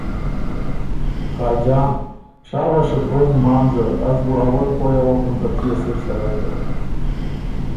خاجان ـــ ”شاباشت بون یمان زر! از بُو اول پویٛ اغوکم که تُو يې سِر سړئ هې